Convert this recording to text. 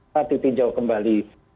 tidak ditinjau kembali